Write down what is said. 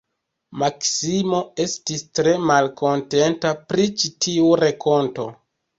Maksimo estis tre malkontenta pri ĉi tiu renkonto.